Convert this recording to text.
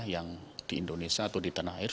yang di indonesia atau di tanah air